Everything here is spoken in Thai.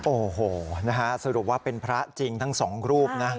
โอ้โหนะฮะสรุปว่าเป็นพระจริงทั้งสองรูปนะ